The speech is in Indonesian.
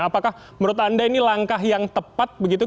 apakah menurut anda ini langkah yang tepat begitu